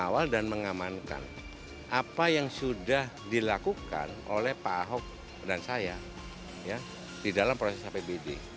mengawal dan mengamankan apa yang sudah dilakukan oleh pak ahok dan saya di dalam proses apbd